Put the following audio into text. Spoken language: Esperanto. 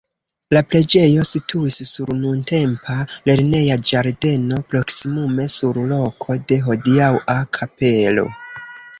La preĝejo situis sur nuntempa lerneja ĝardeno, proksimume sur loko de hodiaŭa kapelo.